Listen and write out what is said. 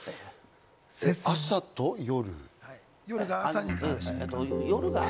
朝と夜？